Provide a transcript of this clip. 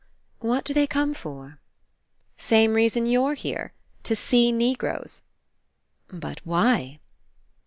"What do they come for?" "Same reason you're here, to see Ne groes." "But why?"